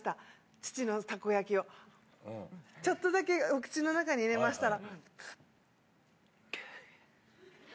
父のたこ焼きを、ちょっとだけお口の中に入れましたら。